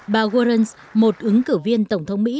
bà warren một ứng cử viên tổng thống mỹ